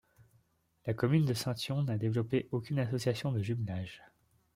La commune de Saint-Yon n'a développé aucune association de jumelage.